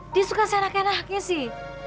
dia suka senak senaknya sih